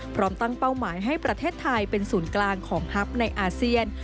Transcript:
พร้อมตั้งเป้าหมายให้ประเทศไทยเป็นศูนย์กลางของฮับในอาเซียน